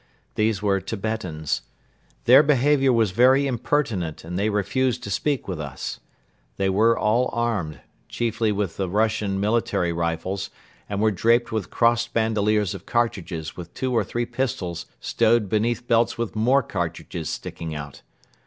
These were Tibetans. Their behavior was very impertinent and they refused to speak with us. They were all armed, chiefly with the Russian military rifles and were draped with crossed bandoliers of cartridges with two or three pistols stowed beneath belts with more cartridges sticking out.